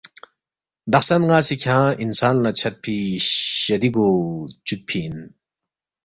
دخسن ن٘ا سی کھیانگ انسان لہ چھدفی شدی گو چُوکفی اِن